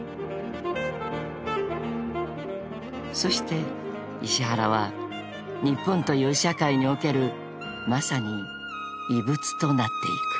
［そして石原は日本という社会におけるまさに異物となっていく］